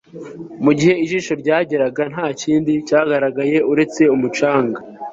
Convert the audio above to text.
mugihe ijisho ryageraga, ntakindi cyagaragaye uretse umucanga